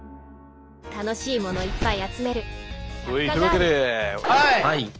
楽しいものいっぱい集める「百科ガール」。